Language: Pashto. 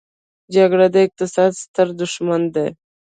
جګړه د اقتصاد ستر دښمن دی.